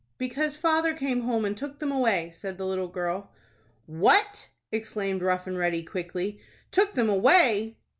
"Because father came home, and took them away," said the little girl. "What!" exclaimed Rough and Ready, quickly. "Took them away?"